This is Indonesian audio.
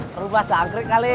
terlupa sakit kali